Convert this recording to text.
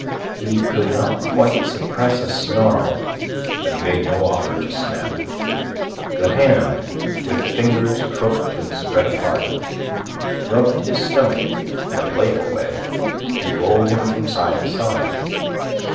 He could not quite suppress a snarl, but he made no offer to snap. The hand, with fingers crooked and spread apart, rubbed his stomach in a playful way and rolled him from side to side.